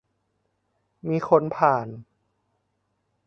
มีคนผ่าน